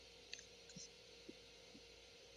تر پخوا لوړ ښکارېده .